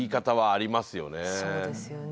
そうですよね。